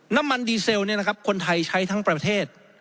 น้ำมันดีเซลคนไทยใช้ทั้งประเทศ